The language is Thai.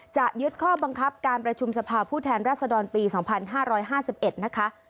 จะยึดข้อบังคับการประชุมสภาพผู้แทนรัศดรปี๒๕๕๑นะคะ